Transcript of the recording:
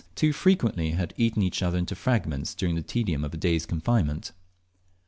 too frequently had eaten each other into fragments during the tedium of a day's confinement.